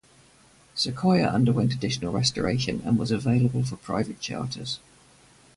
"Sequoia" underwent additional restoration, and was available for private charters.